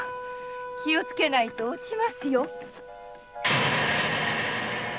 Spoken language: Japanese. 気をつけないと落ちますよ。